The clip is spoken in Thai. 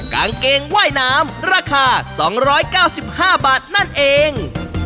กางเกงว่ายน้ำราคา๒๙๕บาทนั่นเอง